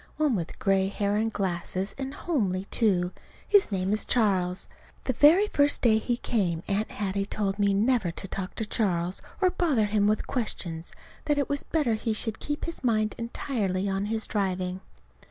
One with gray hair and glasses, and homely, too. His name is Charles. The very first day he came, Aunt Hattie told me never to talk to Charles, or bother him with questions; that it was better he should keep his mind entirely on his driving.